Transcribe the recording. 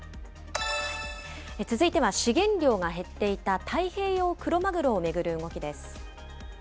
続いては資源量が減っていた太平洋クロマグロを巡る動きです。